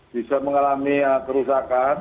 bisa mengalami kerusakan